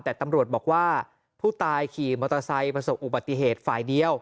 แต่ตำรวจบอกว่าผู้ตายขี่มอเตอร์ไซค์ประสบอุบัติเหตุฝ่ายเดียว